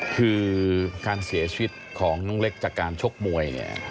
คือการเสียชีวิตของน้องเล็กจากการชกมวยเนี่ย